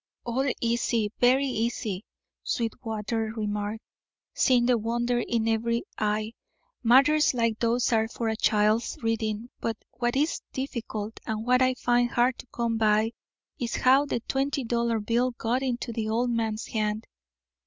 "All easy, very easy," Sweetwater remarked, seeing the wonder in every eye. "Matters like those are for a child's reading, but what is difficult, and what I find hard to come by, is how the twenty dollar bill got into the old man's hand.